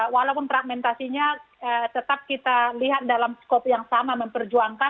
walaupun fragmentasinya tetap kita lihat dalam skop yang sama memperjuangkan